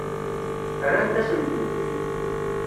Rrant-asen-tent-id.